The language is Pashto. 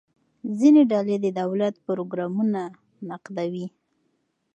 ځینې ډلې د دولت پروګرامونه نقدوي.